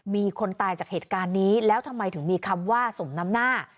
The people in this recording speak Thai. มีคนตายจากเหตุการณ์นี้แล้วทำไมถึงมีคำว่าสมน้ำหน้า